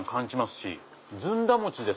しずんだ餅です